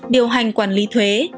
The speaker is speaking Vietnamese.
điều hành quản lý thuế